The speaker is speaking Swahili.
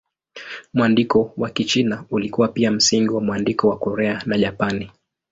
Mwandiko wa Kichina ulikuwa pia msingi wa mwandiko wa Korea na Japani.